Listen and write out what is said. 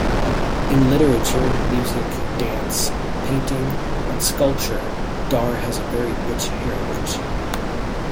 In literature, music, dance, painting and sculpture Dhar has a very rich heritage.